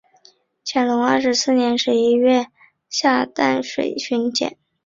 乾隆二十四年十一月调署凤山县下淡水巡检。